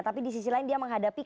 tapi di sisi lain dia menghadapi